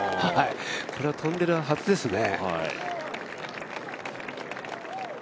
これは飛んでるはずですね。